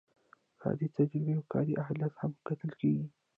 کاري تجربه او کاري اهلیت هم کتل کیږي.